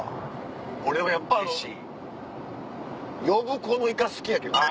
俺はやっぱあの呼子のイカ好きやけどね。